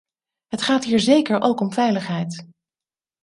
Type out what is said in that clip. Het gaat hier zeker ook om veiligheid.